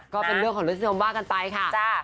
ก็เป็นเรื่องของรสนิยมว่ากันไปค่ะ